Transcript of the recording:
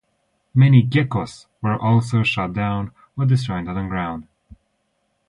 Many "Gekkos" were also shot down or destroyed on the ground.